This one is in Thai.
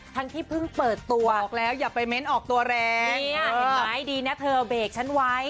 ที่เพิ่งเปิดตัวออกแล้วอย่าไปเม้นออกตัวแรงเนี่ยเห็นไหมดีนะเธอเบรกฉันไว้